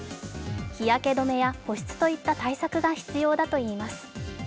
日焼け止めや保湿といった対策が必要だといいます。